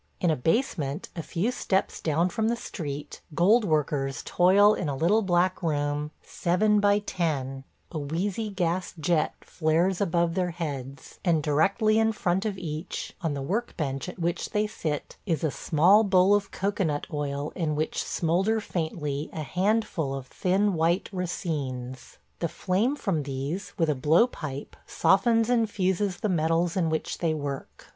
In a basement, a few steps down from the street, gold workers toil in a little black room, seven by ten; a wheezy gas jet flares above their heads, and directly in front of each, on the work bench at which they sit, is a small bowl of cocoanut oil in which smoulder faintly a handful of thin white racines. The flame from these, with a blowpipe, softens and fuses the metals in which they work.